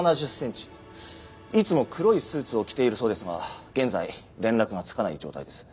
いつも黒いスーツを着ているそうですが現在連絡がつかない状態です。